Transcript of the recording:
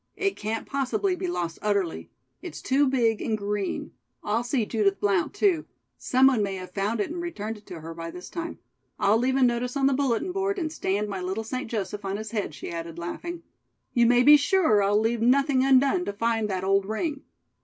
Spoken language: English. It can't possibly be lost utterly. It's too big and green. I'll see Judith Blount, too. Some one may have found it and returned it to her by this time. I'll leave a notice on the bulletin board and stand my little St. Joseph on his head," she added laughing. "You may be sure I'll leave nothing undone to find that old ring."